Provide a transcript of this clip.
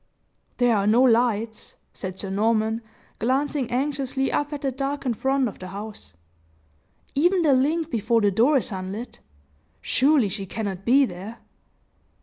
"There are no lights," said Sir Norman, glancing anxiously up at the darkened front of the house; "even the link before the door is unlit. Surely she cannot be there."